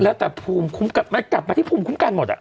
แล้วแต่ภูมิคุ้มกันมันกลับมาที่ภูมิคุ้มกันหมดอ่ะ